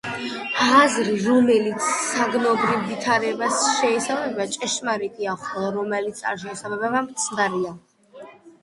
აზრი, რომელიც საგნობრივ ვითარებას შეესაბამება, ჭეშმარიტია, ხოლო, რომელიც არ შეესაბამება, მცდარია.